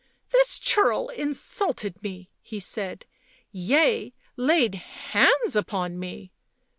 " This churl insulted me," he said; " yea, laid hands upon me."